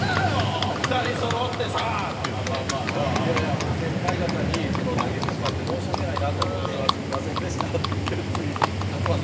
もう先輩方に投げてしまって申し訳ないなと思って「すみませんでした」って言って次。